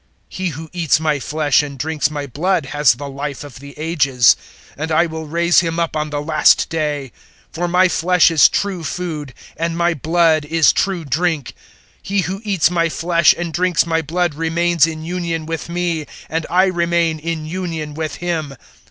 006:054 He who eats my flesh and drinks my blood has the Life of the Ages, and I will raise him up on the last day. 006:055 For my flesh is true food, and my blood is true drink. 006:056 He who eats my flesh and drinks my blood remains in union with me, and I remain in union with him.